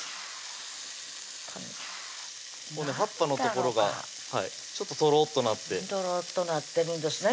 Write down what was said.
葉っぱの所がちょっととろっとなってとろっとなってるんですね